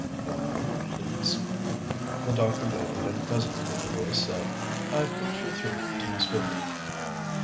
"One moment, please." The doctor waited, and presently the voice said: "I've put you through to Miss Vivian."